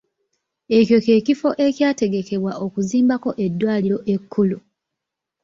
Ekyo ky'ekifo ekyategekebwa okuzimbako eddwaliro ekkulu.